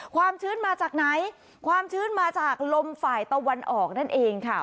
ความชื้นมาจากไหนความชื้นมาจากลมฝ่ายตะวันออกนั่นเองค่ะ